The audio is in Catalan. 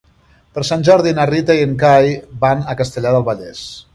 Per Sant Jordi na Rita i en Cai van a Castellar del Vallès.